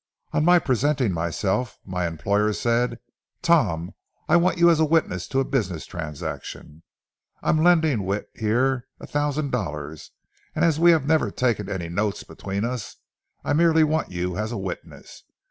On my presenting myself, my employer said: "Tom, I want you as a witness to a business transaction. I'm lending Whit, here, a thousand dollars, and as we have never taken any notes between us, I merely want you as a witness.